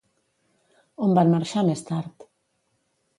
On van marxar més tard?